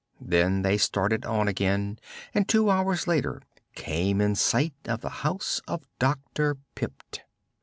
Then they started on again and two hours later came in sight of the house of Dr. Pipt.